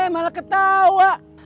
he malah ketawa